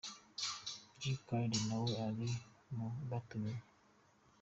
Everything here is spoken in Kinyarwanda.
Dj Khaled nawe ari mu batumiwe.